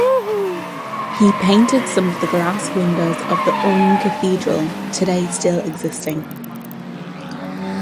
He painted some of the glass windows of the Ulm cathedral today still existing.